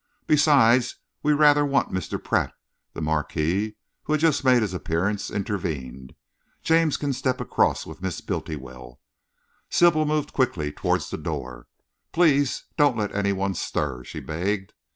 "Besides, we rather want Mr. Pratt," the Marquis, who had just made his appearance, intervened. "James can step across with Miss Bultiwell." Sybil moved quickly towards the door. "Please don't let any one stir," she begged.